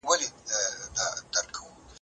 څنګه کولای سو بازار د خپلو ګټو لپاره وکاروو؟